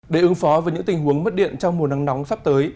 để ứng phó với những tình huống mất điện trong mùa nắng nóng sắp tới